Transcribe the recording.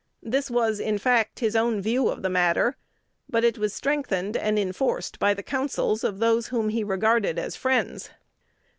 This was, in fact, his own view of the matter; but it was strengthened and enforced by the counsels of those whom he regarded as friends.